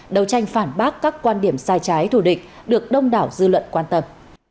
đầu tranh phản bác các quan điểm sai trái thù địch được đông đảo dư luận quan tâm